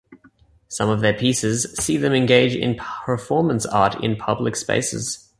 Some of their pieces see them engage in performance art in public spaces.